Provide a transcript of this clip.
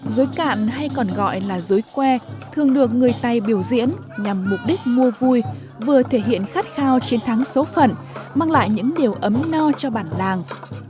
dối cạn hay còn gọi là dối que thường được người tài biểu diễn nhằm mục đích mua vui vừa thể hiện khát khao chiến thắng số phận mang lại những điều ấm no cho bản làng